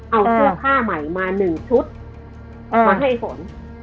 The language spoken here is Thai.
เอาเสื้อผ้าใหม่มา๑ชุดมาให้ฝน